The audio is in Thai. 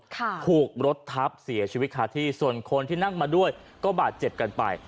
ถูกรถทับเสียชีวิตคาที่ส่วนคนที่นั่งมาด้วยก็บาดเจ็บกันไป